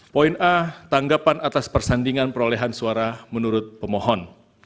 poin a tanggapan atas persandingan perolehan suara menurut pemohon